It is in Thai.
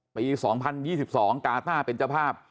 ปีสองพันยี่สิบสองกาต้าเป็นเจ้าภาพ